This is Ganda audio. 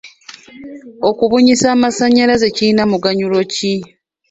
Okubunyisa amasannyalaze kirina muganyulo ki?